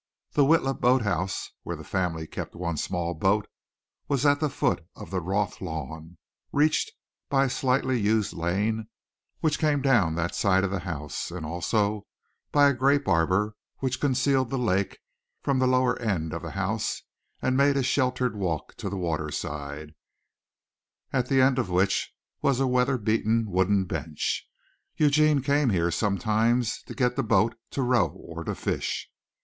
The Witla boathouse, where the family kept one small boat, was at the foot of the Roth lawn, reached by a slightly used lane which came down that side of the house; and also by a grape arbor which concealed the lake from the lower end of the house and made a sheltered walk to the waterside, at the end of which was a weather beaten wooden bench. Eugene came here sometimes to get the boat to row or to fish.